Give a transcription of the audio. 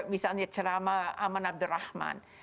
misalnya cerama aman abdurrahman